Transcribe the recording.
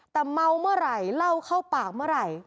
แต่เมาเมื่อไหร่เล่าเข้าปากเมื่อไหร่